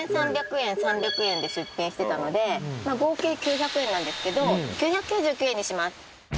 ３００円、３００円、３００円で出品してたので、合計９００円なんですけど、９９９円にします。